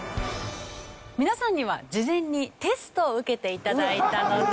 皆さんには事前にテストを受けて頂いたので。